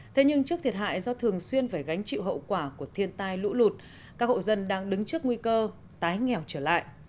thế nhưng trước thiệt hại do thường xuyên phải gánh chịu hậu quả của thiên tai lũ lụt các hộ dân đang đứng trước nguy cơ tái nghèo trở lại